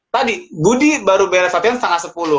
tadi budi baru beres latihan tanggal sepuluh